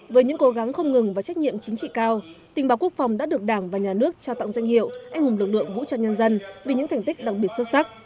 với những cố gắng không ngừng và trách nhiệm chính trị cao tình báo quốc phòng đã được đảng và nhà nước trao tặng danh hiệu anh hùng lực lượng vũ trang nhân dân vì những thành tích đặc biệt xuất sắc